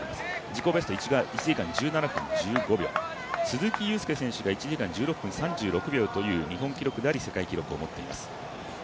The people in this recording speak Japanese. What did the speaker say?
自己ベスト１時間１７分１５秒、鈴木雄介選手が１時間１６分１３秒という日本記録であり世界記録を持っています。